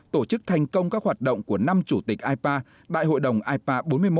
tổ chức thành công các hoạt động của năm chủ tịch ipa đại hội đồng ipa bốn mươi một